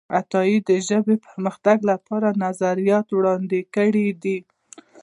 عطايي د ژبې د پرمختګ لپاره نظریات وړاندې کړي دي.